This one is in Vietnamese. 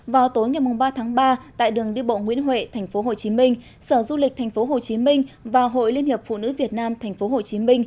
vào tối ngày ba tháng ba tại đường đi bộ nguyễn huệ tp hcm sở du lịch tp hcm và hội liên hiệp phụ nữ việt nam tp hcm